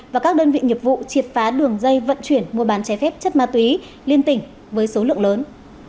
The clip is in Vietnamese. và các đơn vị nghiệp vụ triệt phá đường dây vận chuyển mua bán trái phép chất ma túy liên tỉnh với số lượng lớn